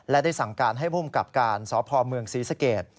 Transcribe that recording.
และได้สั่งการให้ภูมิกับการสพเมืองศรีสเกต